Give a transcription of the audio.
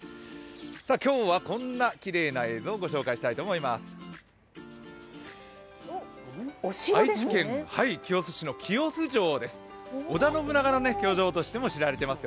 今日はこんなきれいな映像をご紹介したいと思います。